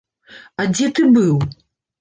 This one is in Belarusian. А дзе ты быў?